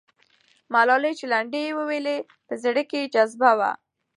ملالۍ چې لنډۍ یې وویلې، په زړه کې یې جذبه وه.